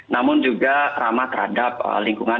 namun juga ramah terhadap lingkungan